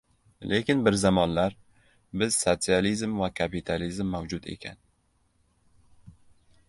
Lekin bir zamonlar biz sotsializm va kapitalizm mavjud ekan